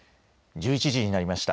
１１時になりました。